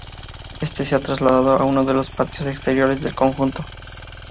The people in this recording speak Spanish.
Éste se ha trasladado a uno de los patios exteriores del conjunto.